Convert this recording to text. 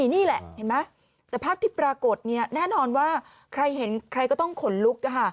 นี่แหละเห็นไหมแต่ภาพที่ปรากฏแน่นอนว่าใครเห็นใครก็ต้องขนลุก